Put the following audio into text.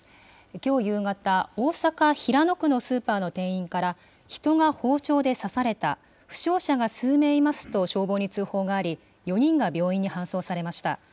きょう夕方、大阪・平野区のスーパーの店員から、人が包丁で刺された、負傷者が数名いますと消防に通報があり、４人が病院に搬送されました。